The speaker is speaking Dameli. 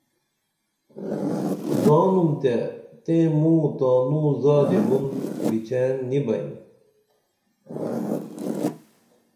زاننُم تے تئیں موں تانو زادی بُن بیچین نی بئین